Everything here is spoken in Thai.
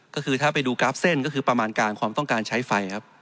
ก็คือถ้าไปดูกราฟเส้นก็คือประมาณการความต้องการใช้ไฟครับ